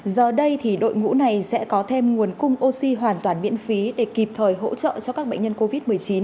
giờ đây thì đội ngũ này sẽ có thêm nguồn cung oxy hoàn toàn miễn phí để kịp thời hỗ trợ cho các bệnh nhân covid một mươi chín